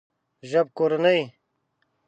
ژبکورنۍ